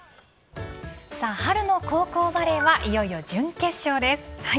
春の高校バレーはいよいよ準決勝です。